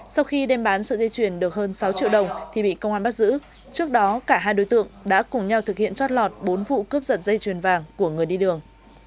sau khi đem bán sợi dây chuyền được hơn sáu triệu đồng thì bị công an bắt giữ trước đó cả hai đối tượng đã cùng nhau thực hiện chót lọt bốn vụ cướp giật dây chuyền vàng của người đi đường